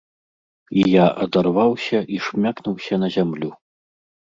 І я адарваўся і шмякнуўся на зямлю.